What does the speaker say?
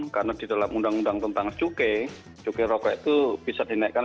karena di dalam undang undang tentang cukai cukai rokok itu bisa dinaikkan